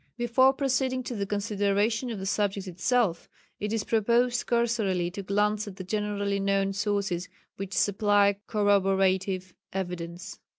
Before proceeding to the consideration of the subject itself, it is proposed cursorily to glance at the generally known sources which supply corroborative evidence.